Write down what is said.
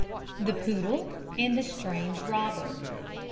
THE POODLE AND THE STRANGER ROBBER.